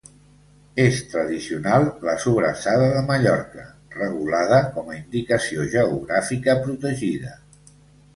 És tradicional la sobrassada de Mallorca, regulada com a Indicació Geogràfica Protegida.